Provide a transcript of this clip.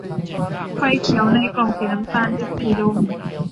ไฟเขียวในกล่องสีน้ำตาลริบหรี่ลง